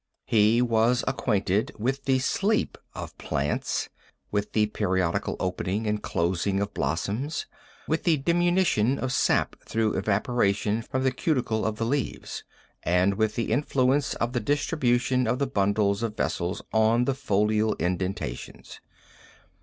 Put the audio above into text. "He was acquainted with the sleep of plants, with the periodical opening and closing of blossoms, with the diminution of sap through evaporation from the cuticle of the leaves, and with the influence of the distribution of the bundles of vessels on the folial indentations.